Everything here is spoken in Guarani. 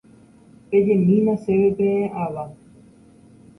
pejemína chéve peẽ ava